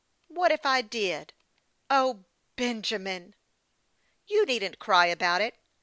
' What if I did ?"" O, Benjamin !"" You needn't cry about it.